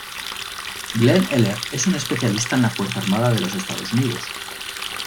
Glenn Eller es un especialista en la Fuerza Armada de los Estados Unidos.